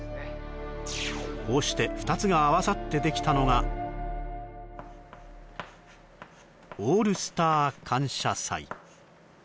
こうして２つが合わさってできたのが「オールスター感謝祭」